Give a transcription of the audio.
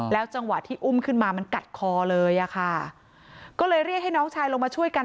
จังหวะที่อุ้มขึ้นมามันกัดคอเลยอ่ะค่ะก็เลยเรียกให้น้องชายลงมาช่วยกัน